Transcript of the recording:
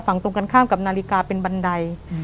ตรงกันข้ามกับนาฬิกาเป็นบันได